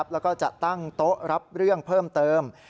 แล้วก็จะตั้งโต๊ะรับเรื่องเพิ่มเติม